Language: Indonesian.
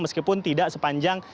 meskipun tidak sepanjang